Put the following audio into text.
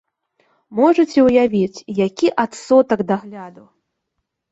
Можаце ўявіць, які адсотак дагляду!